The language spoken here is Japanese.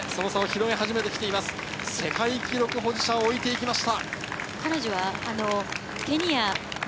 世界記録保持者を置いていきました。